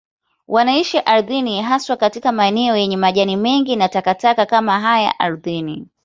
Wanaishi ardhini, haswa katika maeneo yenye majani mengi na takataka kama haya ardhini.